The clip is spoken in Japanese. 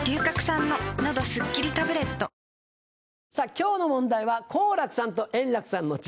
今日の問題は「好楽さんと円楽さんの違い」です。